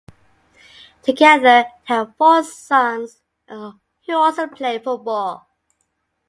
Together, they have four sons who also play football.